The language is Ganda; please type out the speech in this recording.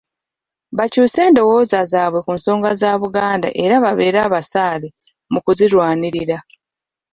Bakyuse endowooza zaabwe ku nsonga za Buganda era babeere abasaale mu kuzirwanirira.